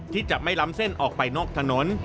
ที่จะไม่ล้ำเส้นออกไปนอกถนน